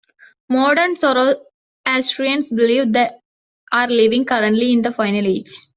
Modern Zoroastrians believe they are living currently in the final age.